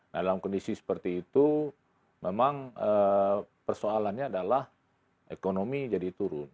nah dalam kondisi seperti itu memang persoalannya adalah ekonomi jadi turun